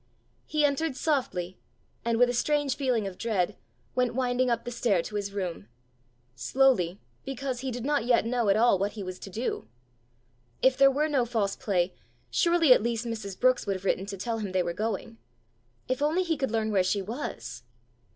He entered softly, and, with a strange feeling of dread, went winding up the stair to his room slowly, because he did not yet know at all what he was to do. If there were no false play, surely at least Mrs. Brookes would have written to tell him they were going! If only he could learn where she was!